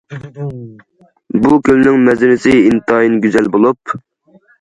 بۇ كۆلنىڭ مەنزىرىسى ئىنتايىن گۈزەل بولۇپ.